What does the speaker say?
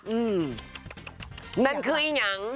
อืมนั่นคืออย่าง